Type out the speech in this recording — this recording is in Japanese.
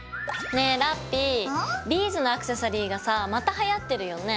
ねえラッピィビーズのアクセサリーがさまたはやってるよね。